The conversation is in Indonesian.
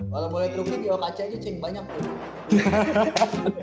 kayaknya rookie rookie di lokasi aja ceng banyak tuh